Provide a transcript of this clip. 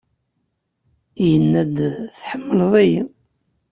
Yenna-d, Tḥemmleḍ-iyi?